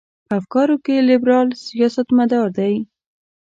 په افکارو کې لیبرال سیاستمدار دی.